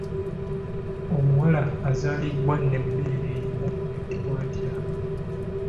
Omuwala azaalibwa n'ebbeere erimu ayitibwa atya?